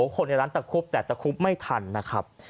คนในร้านตะคุบแต่ตะคุบไม่ทันนะครับ